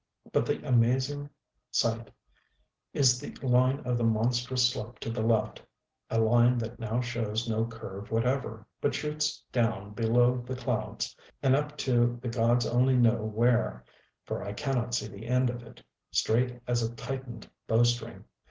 But the amazing sight is the line of the monstrous slope to the left, a line that now shows no curve whatever, but shoots down below the clouds, and up to the gods only know where (for I cannot see the end of it), straight as a tightened bowstring.